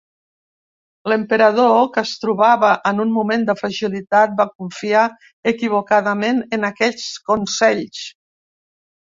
L'emperador, que es trobava en un moment de fragilitat, va confiar equivocadament en aquests consells.